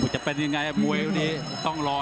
จะเป็นยังไงมวยต้องรอ